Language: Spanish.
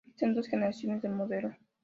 Existen dos generaciones del modelo.